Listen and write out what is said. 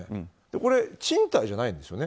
これ、賃貸じゃないんですよね。